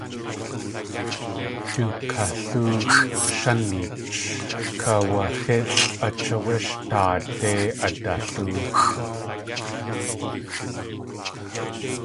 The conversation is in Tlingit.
Du kalóoxʼshánich kaawaxílʼ ách áwé sh daadé adalóoxʼ.